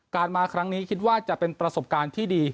มาครั้งนี้คิดว่าจะเป็นประสบการณ์ที่ดี